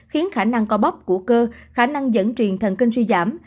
khiến khả năng co bóp của cơ khả năng dẫn truyền thần kinh suy giảm